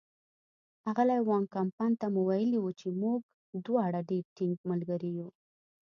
اغلې وان کمپن ته مو ویلي وو چې موږ دواړه ډېر ټینګ ملګري یو.